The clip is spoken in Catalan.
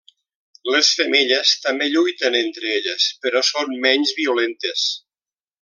Les femelles també lluiten entre elles, però són menys violentes.